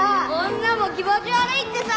女も気持ち悪いってさ！